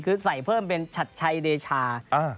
คือใส่เพิ่มเป็นชัดชัยเดชา